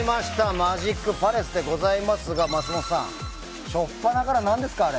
マジックパレスでございますが松本さん初っぱなからなんですかあれ。